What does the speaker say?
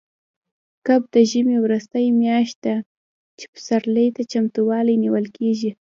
کب د ژمي وروستۍ میاشت ده، چې پسرلي ته چمتووالی نیول کېږي.